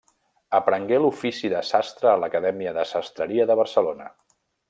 Aprengué l'ofici de sastre a l'Acadèmia de Sastreria de Barcelona.